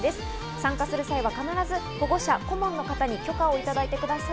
参加する際は必ず保護者、顧問の方に許可をいただいてください。